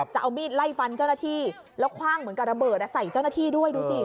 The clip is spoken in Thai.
จะเอามีดไล่ฟันเจ้าหน้าที่แล้วคว่างเหมือนกับระเบิดใส่เจ้าหน้าที่ด้วยดูสิ